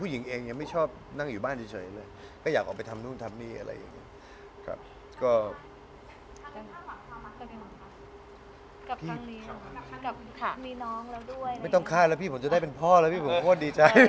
ถ้าทำงานมาเยอะอะไรอย่างเงี้ยหนักจะมีแบบลด